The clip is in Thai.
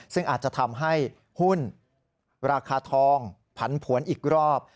ซึ่งอาจจะทำให้หุ้นราคาทองผันผวนอีกรอบ